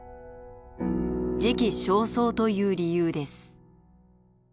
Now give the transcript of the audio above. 「時期尚早」という理由です。